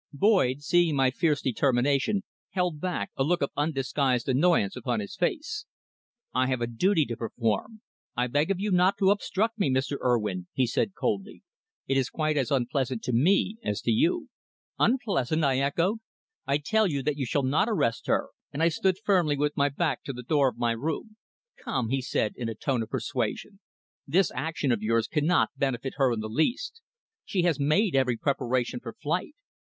Boyd, seeing my fierce determination, held back, a look of undisguised annoyance upon his face. "I have a duty to perform. I beg of you not to obstruct me, Mr. Urwin," he said coldly. "It is quite as unpleasant to me as to you." "Unpleasant!" I echoed. "I tell you that you shall not arrest her," and I stood firmly with my back to the door of my room. "Come," he said, in a tone of persuasion. "This action of yours cannot benefit her in the least. She has made every preparation for flight.